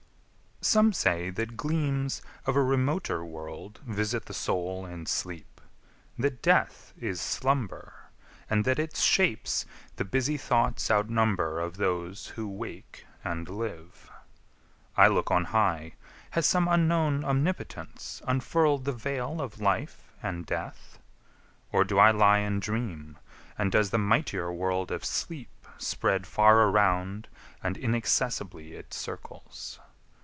III Some say that gleams of a remoter world Visit the soul in sleep, that death is slumber, And that its shapes the busy thoughts outnumber Of those who wake and live. I look on high; Has some unknown omnipotence unfurl'd The veil of life and death? or do I lie In dream, and does the mightier world of sleep Spread far around and inaccessibly Its circles?